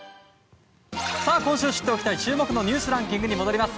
今週知っておきたい注目のニュースランキングに戻ります。